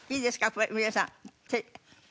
これ皆さん。